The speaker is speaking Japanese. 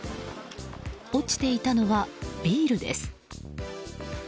落ちていたのは、ビールです。